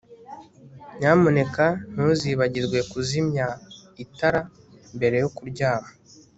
Nyamuneka ntuzibagirwe kuzimya itara mbere yo kuryama